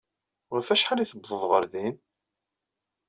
Ɣef wacḥal i tewwḍeḍ ɣer din?